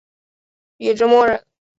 禹之谟人。